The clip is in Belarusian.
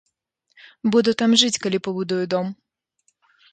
Буду там жыць, калі пабудую дом!